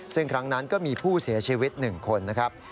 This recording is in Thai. ซึ่งครั้งนั้นก็มีผู้เสียชีวิต๑คนนะครับ